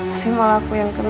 tapi malah aku yang kena